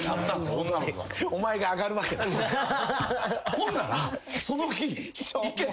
ほんなら。